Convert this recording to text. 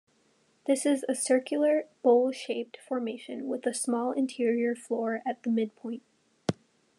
This is a circular, bowl-shaped formation with a small interior floor at the midpoint.